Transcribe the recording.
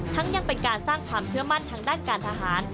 ยังเป็นการสร้างความเชื่อมั่นทางด้านการทหาร